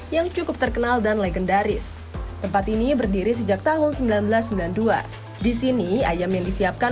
yang cukup terkenal dan legendaris tempat ini berdiri sejak tahun seribu sembilan ratus sembilan puluh dua disini ayam yang disiapkan